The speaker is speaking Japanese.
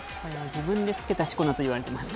自分で付けたしこ名といわれてます。